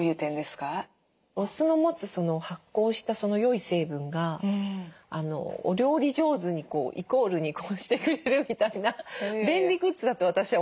お酢の持つ発酵した良い成分がお料理上手にこうイコールにこうしてくれるみたいな便利グッズだと私は思っていて。